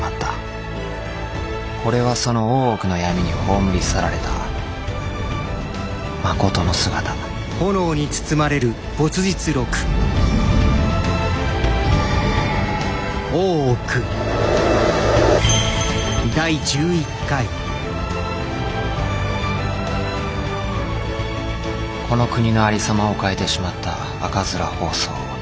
これはその大奥の闇に葬り去られたまことの姿この国のありさまを変えてしまった赤面疱瘡。